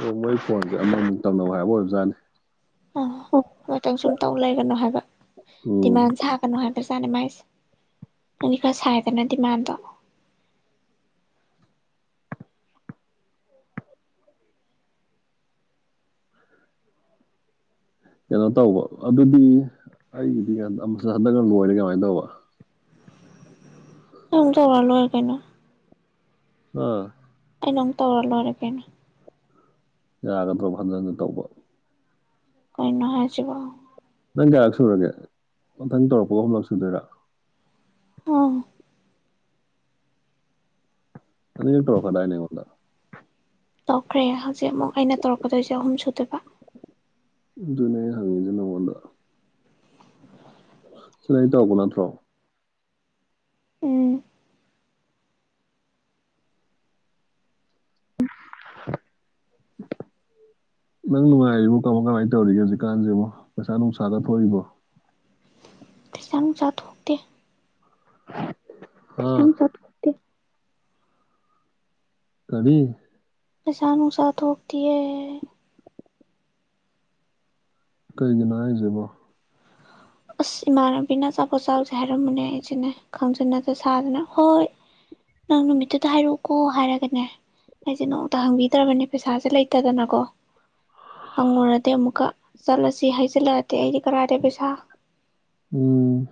ꯑꯣ ꯃꯣꯏ ꯐꯣꯟꯖꯦ ꯑꯃꯨꯃꯨꯛ ꯇꯧꯅꯧ ꯍꯥꯏꯕ ꯑꯣꯏꯕꯖꯥꯠꯅꯤ ꯑꯣ ꯃꯣꯏꯇꯪ ꯁꯨꯝ ꯇꯧ ꯂꯩꯒꯅꯣ ꯍꯥꯏꯕ ꯎꯝ ꯗꯤꯃꯥꯟ ꯁꯥ ꯀꯩꯅꯣ ꯍꯥꯏꯕꯖꯥꯠꯅꯤ ꯃꯥꯏꯁꯦ ꯅꯪꯗꯤ ꯈꯔ ꯁꯥꯏꯗꯅ ꯗꯤꯃꯥꯟꯗꯣ ꯀꯩꯅꯣ ꯇꯧꯕ ꯑꯗꯨꯗꯤ ꯑꯩꯒꯤꯗꯤ ꯑꯃꯨ ꯍꯟꯗꯛ ꯂꯣꯏꯔꯦ ꯀꯃꯥꯏꯅ ꯇꯧꯕ ꯑꯩ ꯑꯗꯨꯝ ꯇꯧꯔ ꯂꯣꯏꯔꯦ ꯀꯩꯅꯣ ꯑꯥ ꯑꯩꯅ ꯑꯃꯨꯛ ꯇꯧꯔꯥ ꯂꯣꯏꯔꯦ ꯀꯩꯅꯣ ꯌꯥꯒꯗ꯭ꯔꯣꯕ ꯍꯟꯖꯟ ꯍꯟꯖꯟ ꯇꯧꯕ ꯀꯩꯅꯣ ꯍꯥꯏꯁꯤꯕꯣ ꯅꯪ ꯀꯌꯥꯔꯛ ꯁꯨꯔꯒꯦ ꯃꯊꯪ ꯇꯧꯔꯛꯄꯒ ꯑꯍꯨꯝꯂꯛ ꯁꯨꯗꯣꯏꯔꯥ ꯑꯝ ꯑꯅꯤꯔꯛ ꯇꯧꯔꯛꯈꯔꯥꯗꯥꯏꯅꯦ ꯑꯩꯉꯣꯟꯗ ꯇꯧꯈ꯭ꯔꯦ ꯍꯧꯖꯤꯛ ꯑꯃꯨꯛ ꯑꯩꯅ ꯇꯧꯔꯛꯀꯗꯣꯏꯁꯦ ꯑꯍꯨꯝ ꯁꯨꯗꯣꯏꯕ ꯑꯗꯨꯅꯦ ꯑꯩ ꯍꯪꯉꯤꯗꯨ ꯅꯉꯣꯟꯗ ꯁꯤꯗꯩ ꯇꯧꯕ ꯅꯠꯇ꯭ꯔꯣ ꯎꯝ ꯅꯪ ꯅꯨꯡꯉꯥꯏꯔꯤꯕ ꯀꯃꯣ ꯀꯃꯥꯏ ꯇꯧꯔꯤꯒꯦ ꯍꯧꯖꯤꯛꯀꯥꯟꯁꯤꯦꯕꯣ ꯄꯩꯁꯥ ꯅꯨꯡꯁꯥꯗ ꯊꯣꯛꯏꯕꯣ ꯑꯗꯨꯁꯅ ꯆꯗ ꯍꯝ ꯀꯔꯤ ꯀꯁꯅꯣꯁ ꯊ ꯊꯣꯛꯒꯗꯤ ꯀꯩꯒꯤꯅꯣ ꯍꯥꯏꯁꯤꯦꯕꯣ ꯑꯁ ꯏꯃꯥꯟꯅꯕꯤꯅꯆꯥꯄꯣ ꯆꯥꯎꯁꯦ ꯍꯥꯏꯔꯝꯃꯅꯦ ꯑꯩꯁꯤꯦꯅꯦ ꯈꯪꯖꯟꯅꯠꯇ ꯁꯥꯗꯅ ꯍꯣꯏ ꯅꯪ ꯅꯨꯃꯤꯠꯇꯨꯗ ꯍꯥꯏꯔꯛꯎꯀꯣ ꯍꯥꯏꯔꯒꯅꯦ ꯑꯩꯁꯦ ꯅꯣꯡꯇ ꯍꯪꯕꯤꯗ꯭ꯔꯕꯅꯦ ꯄꯩꯁꯥꯁꯦ ꯂꯩꯇꯗꯅꯀꯣ ꯍꯪꯉꯨꯔꯗꯤ ꯑꯃꯨꯛꯀ ꯆꯠꯂꯁꯤ ꯍꯥꯏꯖꯤꯜꯂꯛꯑꯗꯤ ꯑꯩꯗꯤ ꯀꯔꯗ ꯄꯩꯁꯥ ꯎꯝ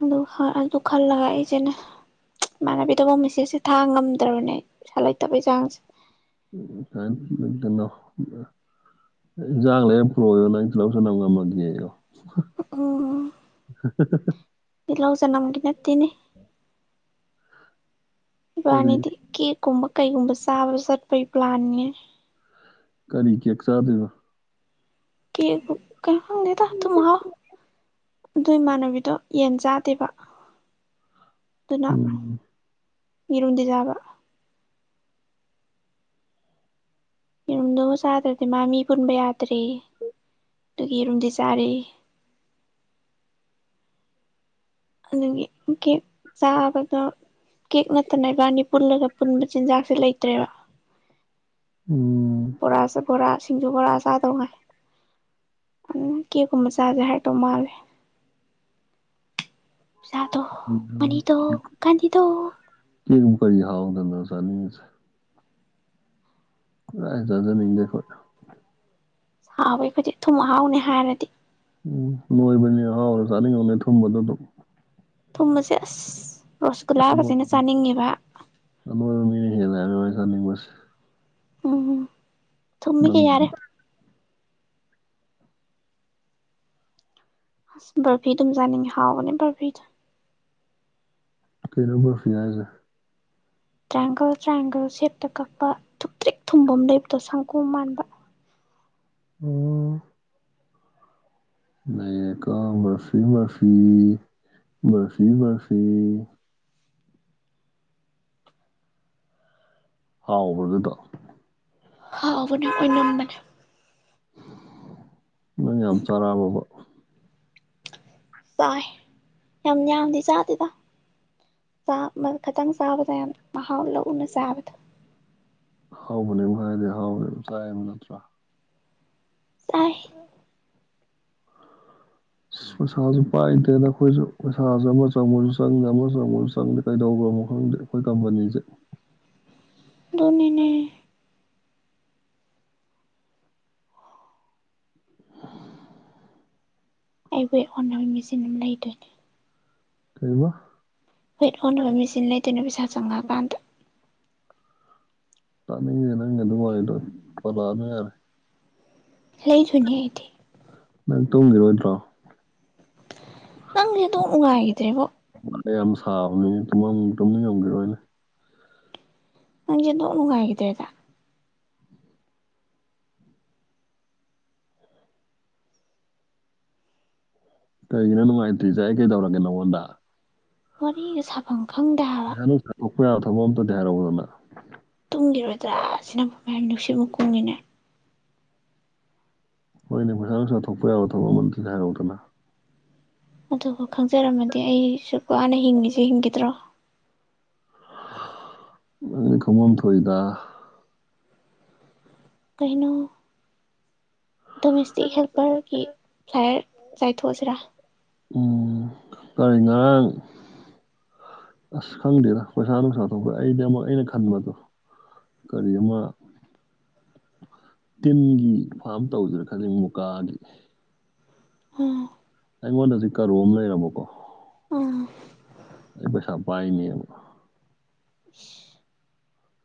ꯑꯗꯨ ꯑꯗꯨ ꯈꯜꯂꯒꯏꯁꯦꯅꯦ ꯏꯃꯥꯟꯅꯕꯤꯗꯐ ꯃꯦꯆꯦꯁꯦ ꯊꯥꯡ ꯉꯝꯗ꯭ꯔꯕꯅꯦ ꯄꯩꯁꯥ ꯂꯩꯇꯕꯩ ꯆꯥꯡꯁꯦ ꯎ ꯀ ꯏꯟꯖꯥꯡ ꯂꯩꯔꯝ ꯄꯨꯔꯛꯣꯏꯕ ꯅꯪ ꯂꯧꯁꯤꯟꯟꯅꯕ ꯉꯝꯃꯒꯦ ꯑꯩꯣ [unintelligible] ꯏꯤꯜꯍꯥꯎ ꯆꯅꯝꯒꯤ ꯅꯠꯇꯦꯅꯦ ꯀꯔꯤ ꯏꯕꯥ꯭ꯂꯥꯟꯅꯤꯗꯤ ꯀꯦꯛꯀꯨꯝꯕ ꯀꯩꯒꯨꯝꯕ ꯆꯥꯕꯗ ꯆꯠꯄꯩ ꯄ꯭ꯂꯥꯟꯅꯦ ꯀꯔꯤ ꯀ ꯆꯥꯕꯗꯕꯣ ꯀ ꯅꯗ ꯊꯨꯝꯥꯎ ꯑꯗꯨ ꯏꯃꯥꯟꯅꯕꯤꯗꯣ ꯌꯦꯟ ꯆꯥꯗꯦꯕ ꯑꯗꯨꯅ ꯎꯝ ꯌꯦꯔꯣꯟꯗꯤ ꯆꯥꯕ ꯌꯦꯔꯨꯝꯗꯨ ꯆꯥꯗ꯭ꯔꯕꯗꯤ ꯃꯥ ꯃꯤ ꯄꯨꯟꯕ ꯌꯥꯗ꯭ꯔꯦ ꯑꯗꯨꯒꯤ ꯌꯦꯔꯨꯝꯗꯤ ꯆꯥꯔ ꯑꯗꯨꯒꯤ ꯀꯦꯛ ꯆꯥꯕꯗꯣ ꯀꯦꯛ ꯅꯠꯇꯅ ꯏꯕꯥꯅꯤ ꯄꯨꯜꯂꯒ ꯄꯨꯟꯕ ꯆꯤꯟꯖꯥꯛꯁꯦ ꯂꯩꯇ꯭ꯔꯦꯕ ꯎꯝ ꯕꯣꯔ ꯕꯣꯔꯥ ꯁꯤꯡꯖꯨ ꯕꯣꯔꯥ ꯆꯥꯗꯧꯉꯥꯏ ꯑꯗꯨꯅ ꯀꯦꯛꯀꯨꯝꯕ ꯆꯥꯁꯦ ꯍꯥꯏꯔꯛꯇꯧ ꯃꯥꯜꯂꯦ [unintelligible] ꯁꯥꯥꯗꯣ ꯃꯅꯤ ꯇ ꯀꯥꯟꯙꯗ [unintelligible] ꯑꯥꯏ ꯆꯥꯖꯅꯤꯡꯗꯦ ꯈꯣꯏ ꯍꯥꯎꯋ ꯑꯩꯈꯣꯏꯗꯤ ꯊꯨꯝꯍꯥꯎꯅꯦ ꯍꯥꯏꯔꯗꯤ ꯎꯝ ꯅꯣꯏꯕꯅꯤ ꯍꯔꯥꯎꯅ ꯆꯥꯅꯤꯡꯉꯣꯅꯦ ꯊꯨꯝꯕꯗꯣ ꯑꯗꯨꯝ ꯊꯨꯝꯃꯁꯦ ꯑꯁ ꯔꯣꯁꯒꯨꯜꯂꯥꯒꯁꯤꯅ ꯆꯥꯅꯤꯡꯉꯦꯕ [unintelligible] ꯎꯝꯝ ꯅꯪ ꯊꯨꯝꯃꯤꯒꯦ ꯌꯥꯔꯦ ꯑꯁ ꯕꯔꯐꯤ ꯑꯗꯨꯝ ꯆꯥꯅꯤꯡꯉꯦ ꯍꯥꯎꯕꯅꯦ ꯕꯔꯐꯤꯗꯣ [unintelligible] ꯇ꯭ꯔꯥꯏꯌꯦꯡꯒꯜ ꯇ꯭ꯔꯥꯏꯌꯦꯡꯒꯜ ꯁꯦꯞꯇ ꯀꯛꯄ ꯊꯨꯝꯇ꯭ꯔꯤꯛ ꯊꯨꯝꯕ ꯑꯃ ꯂꯩꯕꯗꯣ ꯁꯪꯒꯣꯝ ꯃꯥꯟꯕ ꯑꯣ ꯅꯩꯔꯦꯀꯣ ꯕꯔꯐꯤ ꯕꯔꯐꯤ ꯕꯔꯐꯤ ꯕꯔꯐꯤ ꯍꯥꯎꯕ꯭ꯔꯣ ꯗꯨꯗꯣ ꯍꯥꯎꯕꯅꯦ ꯑꯣꯏꯅꯝꯕꯅꯦ ꯅꯪ ꯌꯥꯝ ꯆꯥꯔꯕꯣꯕ ꯆꯥꯏ ꯌꯥꯝ ꯌꯥꯝꯗꯤ ꯆꯥꯗꯦꯗ ꯈꯤꯇꯪ ꯆꯥꯕꯗ ꯌꯥꯝ ꯃꯍꯥꯎ ꯂꯧꯅ ꯆꯥꯕꯗ ꯍꯥꯎꯕꯅꯦ ꯍꯥꯏꯗꯤ ꯍꯥꯎꯕꯅꯦ ꯑꯗꯨꯝ ꯆꯥꯏ ꯑꯃ ꯅꯠꯇ꯭ꯔꯥ ꯆꯥꯏ [inaudible] ꯑꯁ ꯄꯩꯁꯥꯁꯨ ꯄꯥꯏꯗꯦꯅ ꯅꯈꯣꯏꯁꯨ ꯄꯩꯁꯥꯁꯦ ꯑꯃ ꯆꯪꯉꯁꯨ ꯆꯪꯉꯦ ꯑꯃ ꯆꯪꯉꯁꯨ ꯆꯪꯗꯦ ꯀꯩꯗꯧꯕ꯭ꯔꯣ ꯈꯪꯗꯦ ꯑꯩꯈꯣꯏ ꯀꯝꯄꯅꯤꯁꯦ ꯑꯗꯨꯅꯤꯅꯦ ꯑꯩꯕꯨ ꯍ ꯍꯣꯠꯅꯕ ꯃꯦꯆꯤꯟ ꯑꯃ ꯂꯩꯗꯣꯏꯅꯤ ꯀꯩ ꯍꯥꯏꯕ ꯋꯦꯠ ꯑꯣꯟꯅꯕ ꯃꯦꯆꯤꯟ ꯂꯩꯗꯨꯏꯅꯦ ꯄꯩꯁꯥ ꯆꯪꯉꯛꯑꯀꯥꯟꯗ ꯇꯥꯅꯤꯡꯗꯦ ꯅꯪ ꯑꯗꯨꯏ ꯋꯥꯔꯤꯗꯣ ꯄꯜꯂꯛꯑꯅꯨ ꯌꯥꯔꯦ ꯂꯩꯗꯨꯏꯅꯤ ꯑꯩꯗꯤ ꯅꯪ ꯇꯨꯝꯒꯤꯔꯣꯏꯗ꯭ꯔꯣ ꯅꯪꯁꯦ ꯗꯣꯛ ꯅꯨꯡꯉꯥꯏꯈꯤꯗ꯭ꯔꯦꯕꯣ ꯅ ꯌꯥꯝ ꯁꯥꯕꯅꯤ ꯇ ꯇꯨꯝꯅꯤꯡ ꯉꯝꯕꯤꯔꯣꯏꯅꯦ ꯅꯪꯖꯦ ꯑꯣꯟꯗꯣꯛ ꯅꯨꯡꯉꯥꯏꯒꯤꯗꯔ꯭ꯦꯗ ꯀꯩꯒꯤꯅꯣ ꯅꯨꯡꯉꯥꯏꯇ꯭ꯔꯤꯁꯦ ꯑꯩ ꯀꯩꯗꯧꯔꯒꯦ ꯅꯪꯉꯣꯟꯗ ꯋꯥꯔꯤ ꯁꯥ ꯈꯪꯗꯦ ꯍꯥꯏ ꯃꯣꯏꯁꯥ ꯅꯨꯡ ꯆꯥꯊꯣꯛꯄ ꯌꯥꯕ ꯊꯕꯛ ꯑꯝꯇꯗꯤ ꯍꯥꯏꯔꯛꯎꯗꯅ ꯇꯨꯡꯈꯤꯔꯣꯏꯗ꯭ꯔꯥ ꯁꯤꯅꯕꯨ ꯅꯨꯡꯁꯤꯠꯃꯨꯛ ꯀꯨꯡꯉꯤꯅꯦ ꯍꯣꯏꯅꯦ ꯄꯩꯁꯥ ꯅꯨꯡꯁꯥ ꯊꯣꯛꯄ ꯌꯥꯕ ꯊꯕꯛ ꯑꯃꯇꯗꯤ ꯍꯥꯏꯔꯧꯗꯅ ꯑꯗꯨꯒ ꯈꯪꯖꯔꯝꯃꯗꯤ ꯑꯩ ꯁꯨꯛ ꯋꯥꯅ ꯍꯤꯡꯉꯤꯁꯦ ꯍꯤꯡꯒꯗ꯭ꯔꯣ ꯑꯗꯨ ꯈꯪꯕꯝ ꯊꯣꯛꯏꯗ ꯀꯩꯅꯣ ꯗꯣꯃꯦꯁꯇꯤꯛ ꯍꯦꯜꯄꯔꯒꯤ ꯐ꯭ꯂꯥꯏꯌꯔ ꯆꯥꯏꯊꯣꯛꯑꯁꯤꯔꯥ ꯎꯝ ꯀꯔꯤꯉꯥꯔꯥꯡ ꯑꯁ ꯈꯪꯗꯦꯗ ꯄꯩꯁꯥ ꯅꯨꯡꯁꯥ ꯊꯣꯛꯈ꯭ꯔꯦ ꯑꯩꯗꯤ ꯑꯃꯨꯛ ꯑꯩꯅ ꯈꯟꯕꯗꯣ ꯀꯔꯤ ꯑꯃ ꯇꯤꯟꯒꯤ ꯐꯥꯝ ꯇꯧꯗꯅꯥ ꯈꯜꯂꯤ ꯃꯨꯀꯥꯒꯤ ꯎꯝ ꯑꯩꯉꯣꯟꯗꯗꯤ ꯀꯔꯣ ꯑꯃ ꯂꯩꯔꯃꯣꯀꯣ ꯑꯥ ꯑꯩ ꯄꯩꯁꯥ ꯄꯥꯏꯅꯤꯕ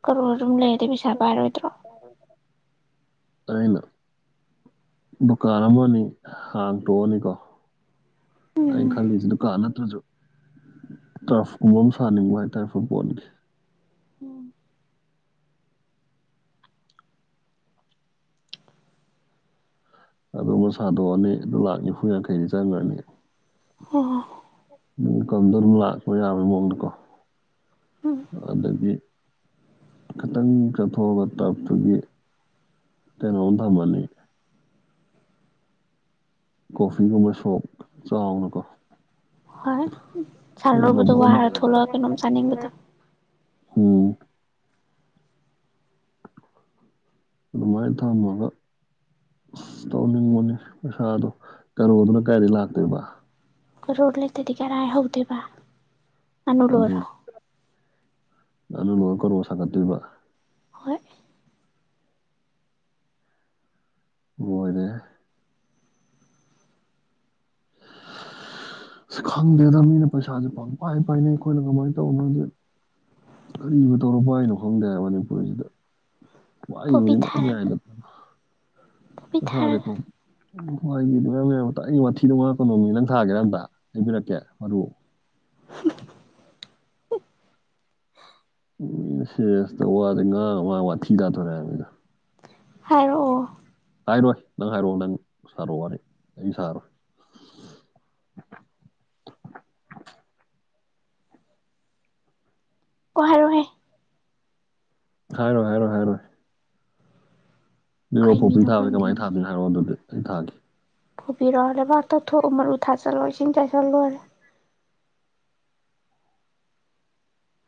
ꯀꯔꯣꯔ ꯑꯗꯨꯝ ꯂꯩꯔꯗꯤ ꯄꯩꯁꯥ ꯄꯥꯏꯔꯣꯏꯗ꯭ꯔꯣ ꯇꯥꯏꯅ ꯗꯨꯀꯥꯟ ꯑꯃꯅꯤ ꯍꯥꯡꯗꯣꯛꯑꯅꯤꯀꯣ ꯎꯝ ꯑꯩꯅ ꯈꯜꯂꯤꯁꯤꯅ ꯗꯨꯀꯤꯟ ꯅꯠꯇ꯭ꯔꯁꯨ ꯇꯔꯐꯀꯨꯝꯕ ꯑꯃ ꯁꯥꯅꯤꯡꯕ ꯍꯥꯏꯇꯥꯔ ꯐꯨꯠꯕꯣꯜꯒꯤ ꯎꯝ ꯑꯗꯨꯃ ꯁꯥꯗꯣꯛꯑꯅꯤ ꯑꯗꯨ ꯂꯥꯛ ꯅꯤꯐꯨ ꯌꯥꯡꯈꯩꯗꯤ ꯆꯪꯈ꯭ꯔꯅꯤ ꯑꯣ ꯏꯟꯀꯝꯗꯣ ꯑꯗꯨꯝ ꯂꯥꯛꯁꯨ ꯌꯥꯕ ꯃꯑꯣꯡꯗꯀꯣ ꯎꯝ ꯑꯗꯒꯤ ꯈꯤꯇꯪ ꯆꯠꯊꯣꯛꯑꯒ ꯇꯞꯇꯨꯒꯤ ꯀꯩꯅꯣꯝ ꯊꯝꯃꯅꯤ ꯀꯣꯐꯤꯒꯨꯝꯕ ꯁꯣꯞ ꯆꯥꯎꯅꯀꯣ ꯍꯣꯏ ꯁꯥꯟꯅ ꯈꯣꯏ ꯂꯣꯏꯕꯗꯣ ꯂꯕꯨꯛ ꯑꯝ ꯋꯥꯔ ꯂꯩꯌꯦ ꯊꯣꯛꯂꯛꯑ ꯀꯩꯅꯣꯝ ꯆꯥꯅꯤꯡꯕꯗꯣ ꯎꯝ ꯑꯗꯨꯃꯥꯏ ꯊꯥꯝꯃꯒ ꯇꯧꯅꯤꯡꯕꯅꯤ ꯄꯩꯁꯥꯗꯣ ꯀꯔꯣꯔꯗꯨꯅ ꯀꯥꯏꯗ ꯂꯥꯛꯇꯣꯏꯕ ꯀꯥꯔꯣꯔ ꯇꯠꯇ꯭ꯔꯗꯤ ꯀꯔꯥꯏ ꯍꯧꯗꯣꯏꯕ ꯉꯅꯨ ꯂꯣꯏꯔꯣ ꯉꯥꯅꯨꯂꯣꯏꯔ ꯀꯥꯔꯣꯔ ꯁꯥꯒꯠꯇꯣꯏꯕ ꯍꯣꯏ ꯃꯣꯏꯅꯦ [inaudible] ꯏꯁ ꯈꯪꯗꯦꯗ ꯃꯤꯅ ꯄꯩꯁꯥꯁꯦ ꯄꯪꯄꯥꯏ ꯄꯥꯏꯅꯦ ꯑꯩꯈꯣꯏꯅ ꯀꯃꯥꯏꯅ ꯇꯧꯅꯣ ꯈꯪꯗꯦ ꯀꯔꯤꯕꯨ ꯇꯧꯔ ꯄꯥꯏꯅꯣ ꯈꯪꯗꯦ ꯃꯅꯤꯄꯨꯔꯁꯤꯗ ꯀꯣꯕꯤ ꯋꯥꯏꯕꯁ ꯃꯌꯥꯝ ꯊꯥꯔꯒ ꯌꯥꯏꯗ ꯀꯣꯕꯤ ꯊꯥꯔꯒ ꯄꯥꯏꯁꯥꯁꯦꯀꯣ ꯋꯥꯊꯤꯗꯣ ꯉꯥꯡꯉꯛꯅꯣꯅꯤ ꯅꯪ ꯊꯥꯒꯦ ꯑꯝꯇ ꯑꯩ ꯄꯤꯔꯛꯀꯦ ꯃꯔꯨ꯫ ꯃꯤꯅ ꯁꯦꯔꯦꯁꯇ ꯋꯥꯁꯦ ꯉꯥꯡꯉ ꯃꯥ ꯋꯥꯊꯤ ꯇꯥꯊꯣꯔꯛꯑꯦ ꯍꯥꯏꯕꯅꯤꯗ ꯫ ꯍꯥꯏꯔꯛꯑꯣ ꯍꯥꯏꯔꯣꯏ ꯅꯪ ꯍꯥꯏꯔꯛꯑꯣ ꯅꯪ ꯁꯥꯔꯛꯑꯣ ꯋꯥꯅꯤ ꯑꯩ ꯁꯥꯔꯣꯏ ꯀꯣꯛ ꯍꯥꯏꯔꯛꯑꯣꯍꯦ ꯍꯥꯏꯔꯣꯢ ꯍꯥꯏꯔꯣꯢ ꯍꯥꯏꯔꯣꯏ ꯂꯤꯔꯛꯑꯣ ꯀꯩ ꯀꯣꯐꯤ ꯃꯤꯅꯣ ꯊꯥꯕꯁꯦ ꯈꯪꯗꯦ ꯀꯃꯥꯏꯅ ꯊꯥꯗꯣꯏꯅꯣ ꯍꯥꯏꯔꯛꯑꯣ ꯑꯗꯨꯗꯤ ꯑꯩ ꯊꯥꯒꯦ ꯫ ꯀꯣꯐꯤꯔꯣ ꯂꯩꯕꯥꯏ ꯇꯧꯊꯣꯛꯎ ꯃꯔꯨ ꯊꯥꯖꯜꯂꯣ ꯏꯁꯤꯡ ꯆꯥꯏꯁꯤꯜꯂꯣ ꯂꯣꯏꯔꯦ꯫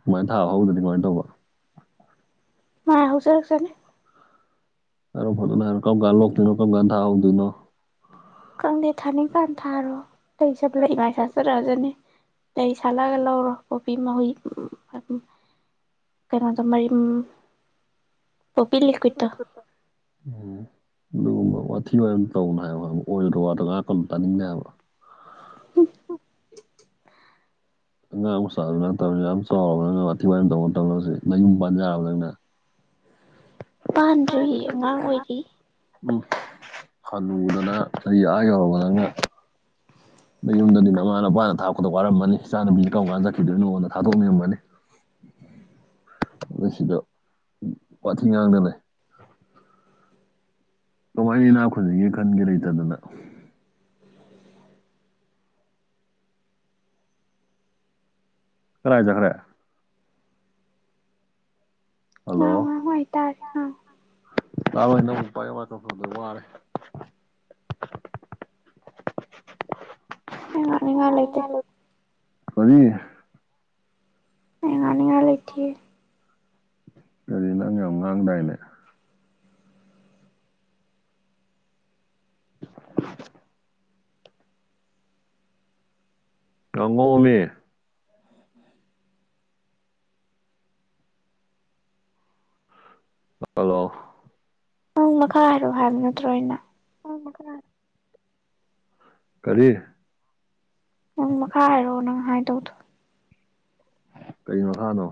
ꯑꯗꯨꯃꯥꯏꯅ ꯊꯥꯕ ꯐꯥꯎꯗꯗꯤ ꯀꯃꯥꯏꯅ ꯇꯧꯕ ꯫ ꯃꯥꯏ ꯍꯧꯖꯔꯛꯆꯥꯅꯤ꯫ ꯍꯥꯏꯔꯛꯑꯣ ꯐꯖꯅ ꯍꯥꯏꯔꯛꯑꯣ ꯀꯔꯝ ꯀꯥꯟ ꯂꯣꯛꯇꯣꯏꯅꯣ ꯀꯔꯝ ꯀꯥꯟ ꯊꯥꯍꯧꯗꯣꯏꯅꯣ ꯫ ꯈꯪꯗꯦ ꯊꯥꯅꯤꯡꯀꯥꯟ ꯊꯥꯔꯣ ꯂꯩ ꯁꯦ ꯂꯩ ꯃꯥꯏ ꯁꯥꯆꯔꯛꯑꯖꯅꯦ ꯫ ꯂꯩ ꯁꯥꯠꯂꯒ ꯂꯧꯔꯣ ꯀꯣꯐꯤ ꯃꯥꯍꯩ ꯀꯩꯅꯣꯗꯣ ꯃꯔꯤꯝ [unintelligible] ꯎꯝ ꯑꯗꯨꯒꯨꯝꯕ ꯋꯥꯊꯤ ꯋꯥꯔꯦꯝ ꯇꯧꯅꯨ ꯍꯥꯏꯕ ꯑꯣꯏꯔꯗ ꯋꯥꯗꯣ ꯉꯥꯏꯍꯥꯛꯀꯅꯨ ꯇꯥꯅꯤꯡꯗꯦ ꯍꯥꯏꯕ ꯫ ꯑꯉꯥꯡ ꯃꯆꯥꯁꯨ ꯅꯠꯇꯕꯅꯪꯅ ꯑꯗꯨꯛꯌꯥꯝ ꯆꯥꯎꯔꯕ ꯅꯪꯅ ꯋꯥꯊꯤ ꯋꯥꯝ ꯇꯧꯕ ꯃꯇꯝꯗ ꯍꯧꯖꯤꯛ ꯅꯌꯨꯝ ꯄꯥꯟ ꯌꯥꯔꯕ ꯅꯪꯅ ꯫ ꯄꯥꯟꯗ꯭ꯔꯤ ꯑꯉꯥꯡ ꯑꯣꯏꯔꯤ [unintelligible] ꯎꯝ ꯍꯅꯨꯗꯅ ꯆꯍꯤ ꯑꯥ ꯌꯧꯔꯕ ꯅꯪꯅ ꯫ ꯌꯨꯝꯗꯗꯤ ꯃꯃꯥ ꯅꯄꯥꯅ ꯊꯥꯛꯄꯗ ꯋꯥꯔꯃꯅꯤ ꯏꯆꯥꯅ ꯅꯨꯄꯤꯁ ꯀꯔꯝ ꯀꯥꯟ ꯆꯠꯈꯤꯗꯣꯏꯅꯣꯉꯣꯟꯗ ꯊꯥꯗꯣꯛꯅꯤꯡꯔꯝꯃꯅꯤ ꯫ ꯑꯗꯨꯒ ꯁꯤꯗ ꯋꯥꯊꯤ ꯉꯥꯡꯗꯅ ꯂꯩ ꯫ ꯀꯃꯥꯏꯅ ꯏꯅꯥ ꯈꯨꯁꯤꯒꯤ ꯈꯟꯒꯦ ꯂꯩꯇꯗꯅ ꯫ ꯀꯔꯥꯏꯆꯠꯈ꯭ꯔꯦ꯫ ꯍꯜꯂꯣ ꯍꯣꯏ ꯇꯥꯏ ꯎꯝ [unintelligible] ꯋꯥꯔꯦ ꯑꯩ ꯉꯥꯡꯅꯤꯡꯉꯥꯏ ꯂꯩꯇꯦ ꯀꯔꯤ [unintelligible] ꯂꯩꯊꯦ꯫ ꯀꯔꯤ ꯅꯪ ꯌꯥꯝ ꯉꯥꯡꯗꯥꯏꯅꯦ ꯫ ꯉꯥꯡꯉꯛꯑꯣꯃꯤ꯫ ꯍꯜꯂꯣ ꯄꯃꯈꯥ ꯍꯥꯏꯔꯣ ꯍꯥꯏꯕ ꯅꯠꯇ꯭ꯔꯣ ꯑꯩꯅ ꯑꯣ ꯃꯈꯥ ꯀꯔꯤ ꯅꯪ ꯃꯈꯥ ꯍꯥꯏꯔꯣ ꯅꯪ ꯍꯥꯏꯗꯣ ꯀꯩ ꯃꯈꯥꯅꯣ꯫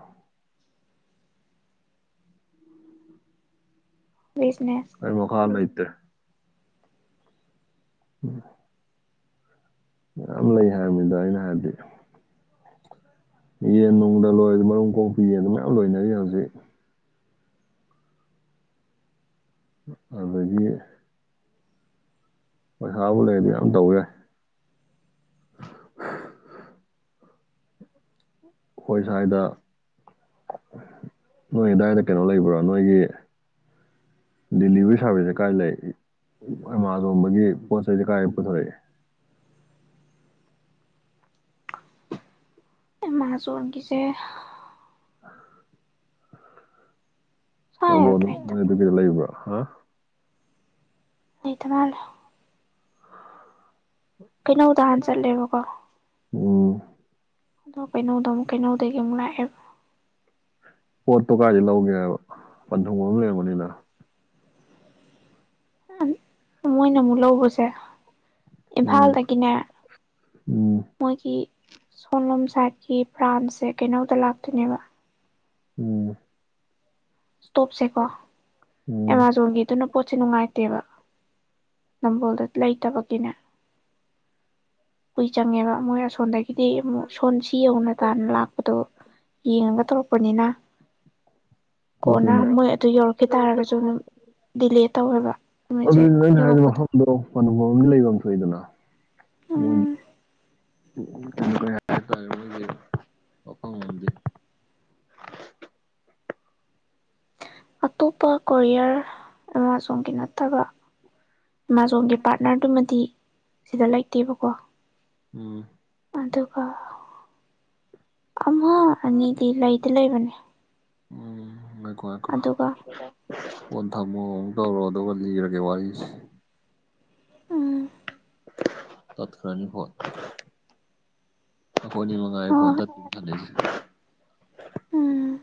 ꯕꯤꯖꯤꯅꯦꯁ ꯑꯩ ꯃꯈꯥ ꯂꯩꯇꯦ꯫ [inaudible] ꯌꯥꯝ ꯂꯩ ꯍꯥꯏꯕꯅꯤꯗ ꯑꯩꯅ ꯍꯥꯏꯕꯗꯤ꯫ ꯌꯦꯟ ꯅꯨꯡꯗ ꯂꯣꯏꯔꯁꯨ ꯃꯔꯨꯝ ꯀꯣꯛꯄꯤ ꯌꯦꯟ ꯃꯌꯥꯝ ꯂꯣꯏꯅꯔꯤ ꯍꯧꯖꯤꯛ ꯑꯗꯒꯤ ꯄꯩꯁꯥꯕꯨ ꯂꯩꯔꯗꯤ ꯌꯥꯝ ꯇꯧꯕ ꯌꯥꯏ ꯑꯩꯈꯣꯏ ꯁ꯭ꯋꯥꯏꯗ ꯅꯣꯏ ꯑꯗꯥꯏꯗ ꯀꯩꯅꯣ ꯂꯩꯕ꯭ꯔꯥ ꯅꯣꯏꯒꯤ ꯗꯤꯂꯤꯚꯔꯤ ꯁꯥꯔꯚꯤꯁꯁꯦ ꯀꯥꯏ ꯂꯩ ꯑꯦꯃꯥꯖꯣꯟꯗꯒꯤ ꯄꯣꯠ ꯆꯩꯩꯗꯤ ꯀꯥꯏ ꯄꯨꯊꯣꯔꯛꯏ꯫ ꯑꯦꯃꯥꯖꯣꯟꯒꯤꯖꯦꯁꯦ [inaudible] ꯁ꯭ꯋꯥꯏ ꯅꯝꯕꯣꯜ ꯅꯣꯏ ꯂꯩꯇꯕ ꯑꯗꯨꯒꯤꯗꯣ ꯂꯩꯕ꯭ꯔꯣ ꯍꯥ ꯂꯩꯇ ꯃꯥꯜꯂꯦ ꯀꯩꯅꯧ ꯇꯥꯟ ꯆꯠꯂꯦꯕꯀꯣ ꯎꯝ ꯑꯗꯣ ꯀꯩꯅꯣꯗ ꯀꯩꯅꯣꯗꯒꯤ ꯂꯥꯛꯑꯦꯕ ꯄꯣꯠꯇꯣ ꯀꯥꯏꯗꯩꯩ ꯂꯧꯒꯦꯕ ꯄꯟꯊꯨꯡꯕꯝ ꯑꯃ ꯂꯩꯔꯝꯒꯥꯅꯤꯕ ꯃꯣꯏꯅ ꯑꯃꯨꯛ ꯂꯧꯕꯁꯦ ꯎꯝ ꯏꯝꯐꯥꯜꯗꯒꯤꯅꯦ ꯎꯝ ꯃꯣꯏꯒꯤ ꯁꯣꯝꯂꯣꯝ ꯁꯥꯏꯠꯀꯤ ꯕ꯭ꯔꯥꯟꯁꯁꯦ ꯀꯩꯅꯧꯗ ꯂꯥꯛꯇꯣꯏꯅꯦꯕ ꯎꯝ ꯄꯣꯠꯁꯦꯀꯣ ꯎꯝ ꯑꯦꯃꯥꯖꯣꯟꯒꯤꯗꯨꯅ ꯄꯣꯠꯁꯦ ꯅꯨꯡꯉꯥꯏ [unintelligible] ꯂꯩꯇꯦꯕ ꯅꯝꯕꯣꯜꯗ ꯂꯩꯇꯕꯒꯤ ꯀꯨꯏ ꯆꯪꯉꯦꯕ ꯃꯣꯏ ꯑꯁꯣꯟꯗꯒꯤꯗꯤ ꯑꯃꯨꯛ ꯁꯣꯟꯁꯤ ꯌꯧꯅ ꯇꯥꯅ ꯂꯥꯛꯄꯗꯣ ꯌꯦꯡꯉꯒ ꯇꯧꯔꯛꯄꯅꯤꯅ ꯀꯣꯟꯅꯥ ꯑꯗꯨꯅꯤ ꯃꯣꯏ ꯑꯗꯨ ꯌꯧꯔꯛꯈꯤ ꯇꯥꯔꯒꯁꯨ ꯑꯗꯨꯝ ꯗꯤꯂꯦ ꯇꯧꯋꯦꯕ ꯃꯣꯏꯖꯦ ꯌꯧꯔꯛ ꯑꯗꯣ [unintelligible] [unintelligible] ꯂꯩꯐꯝ ꯊꯣꯛꯏꯗꯅ ꯃꯣꯏ ꯎꯝ [unintelligible] ꯑꯇꯣꯞꯄ ꯀꯣꯔꯤꯌꯔ ꯑꯦꯃꯥꯖꯣꯟꯒꯤ ꯅꯠꯇꯕ ꯑꯦꯃꯥꯖꯣꯟꯒꯤ ꯄꯥꯔꯠꯅꯔꯗꯨꯃꯗꯤ ꯁꯤꯗ ꯂꯩꯇꯦꯕꯀꯣ ꯎꯝ ꯑꯗꯨꯒ ꯑꯃ ꯑꯅꯤꯗꯤ ꯂꯩꯗꯤ ꯂꯩꯕꯅꯦ ꯎꯝ ꯉꯥꯏꯈꯣ ꯉꯥꯏꯈꯣ ꯑꯗꯨꯒ ꯐꯣꯟ ꯊꯝꯃꯣ ꯑꯃꯨꯛ ꯇꯧꯔꯛꯑꯣ ꯑꯗꯨꯒ ꯂꯤꯔꯒꯦ ꯋꯥꯔꯤꯁꯦ ꯎꯝ ꯇꯠ ꯈꯔꯅꯤ ꯐꯣꯟ [unintelligible] ꯃꯉꯥꯏꯔꯦ ꯐꯣꯟ ꯍꯣꯏ ꯇ [unintelligible] [unintelligible] ꯎꯝ